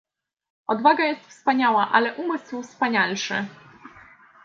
Odwaga jest wspaniała, ale umysł wspanialszy